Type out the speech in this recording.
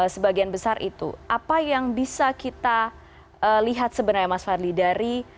sebagian besar itu apa yang bisa kita lihat sebenarnya mas fadli dari